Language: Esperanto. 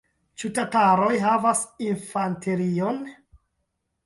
Ĉu tataroj havas infanterion?